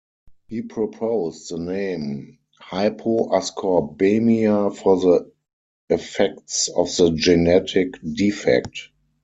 He proposed the name hypoascorbemia for the effects of this genetic defect.